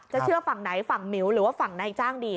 เชื่อฝั่งไหนฝั่งหมิวหรือว่าฝั่งนายจ้างดี